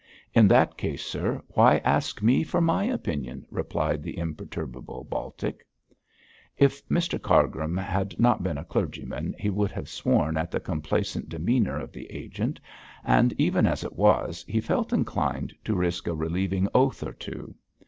'In that case, sir, why ask me for my opinion?' replied the imperturbable Baltic. If Mr Cargrim had not been a clergyman, he would have sworn at the complacent demeanour of the agent, and even as it was he felt inclined to risk a relieving oath or two.